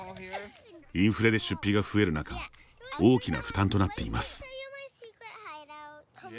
インフレで出費が増える中大きな負担となっています。